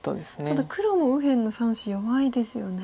ただ黒も右辺の３子弱いですよね。